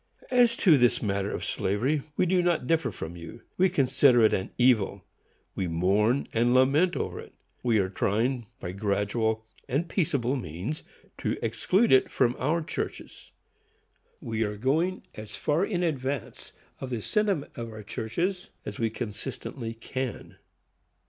As to this matter of slavery, we do not differ from you. We consider it an evil. We mourn and lament over it. We are trying, by gradual and peaceable means, to exclude it from our churches. We are going as far in advance of the sentiment of our churches as we consistently can.